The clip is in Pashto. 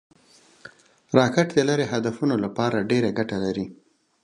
راکټ د لرې هدفونو لپاره ډېره ګټه لري